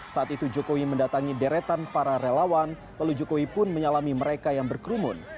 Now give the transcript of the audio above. saat itu jokowi mendatangi deretan para relawan lalu jokowi pun menyalami mereka yang berkerumun